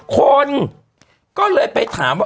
คนก็เลยไปถามว่า